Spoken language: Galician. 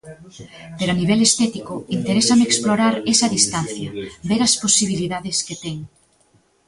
Pero a nivel estético interésame explorar esa distancia, ver as posibilidades que ten.